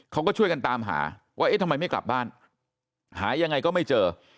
เขาก็ช่วยกันตามหาว่าเอ๊ะทำไมไม่กลับบ้านหายังไงก็ไม่เจอ